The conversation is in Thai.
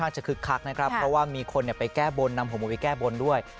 จะไปแก้บนนำหัวหมูไปแก้บนด้วย